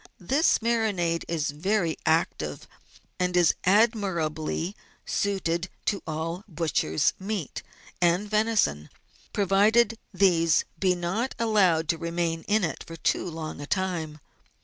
This marinade is very active, and is admirably suited to all butcher's meat and venison, provided these be not allowed to remain in it for too long a time.